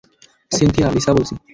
Cynthia, Lisa বলছি।